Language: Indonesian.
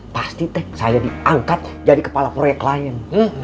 pasti teh saya diangkat jadi kepala proyek lain